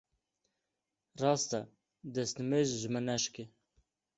Rast e destmêj ji me naşikê.